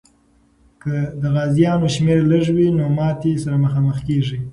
که د غازیانو شمېر لږ وي، نو ماتي سره مخامخ کېږي.